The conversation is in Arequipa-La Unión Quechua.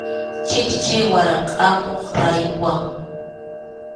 Chikchi warakʼamuq rayuwan.